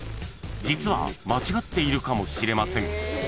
［実は間違っているかもしれません］